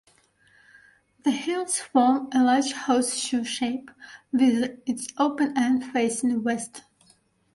The hills form a large horseshoe shape with its open end facing west.